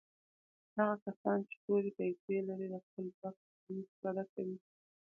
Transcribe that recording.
هغه کسان چې تورې پیسي لري د خپل ځواک څخه هم استفاده کوي.